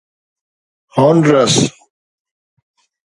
Honduras